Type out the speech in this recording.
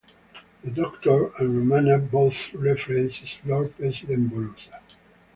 The Doctor and Romana both reference Lord President Borusa.